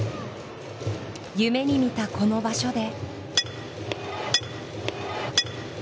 夢に見た、この場所で。